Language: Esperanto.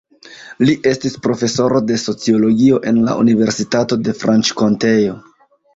Li estis profesoro de sociologio en la Universitato de Franĉkonteo.